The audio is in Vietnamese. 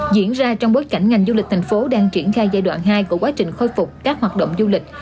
diễn ra trong bối cảnh ngành du lịch thành phố đang triển khai giai đoạn hai của quá trình khôi phục các hoạt động du lịch